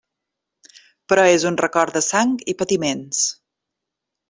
Però és un record de sang i patiments.